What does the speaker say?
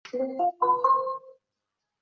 后又到欧洲进修。